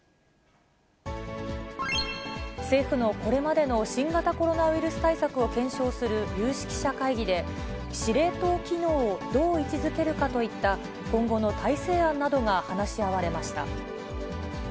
政府のこれまでの新型コロナウイルス対策を検証する有識者会議で、司令塔機能をどう位置づけるかといった今後の体制案などが話し合われました。